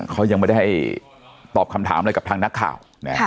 เขายังไม่ได้ตอบคำถามอะไรกับทางนักข่าว